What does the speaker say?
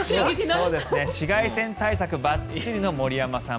紫外線対策ばっちりの森山さん